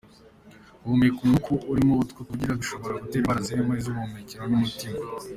Guhumeka umwuka urimo utwo tuvungukira bishobora gutera indwara zirimo iz’ubuhumekero n’umutima.